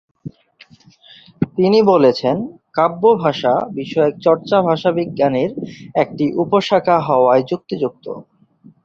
তিনি বলেছেন, কাব্য-ভাষা বিষয়ক চর্চা ভাষাবিজ্ঞানের একটি উপশাখা হওয়াই যুক্তিযুক্ত।